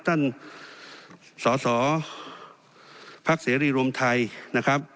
ท่านสสภศรีรวมไทยนะครับ